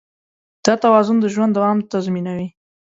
دا توازن د ژوند دوام تضمینوي.